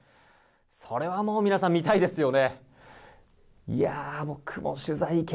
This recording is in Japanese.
それはもう、皆さん見たいですよね。